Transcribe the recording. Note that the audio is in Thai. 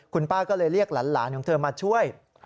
คุณป้าก็เลยเรียกหลานของเธอมาช่วย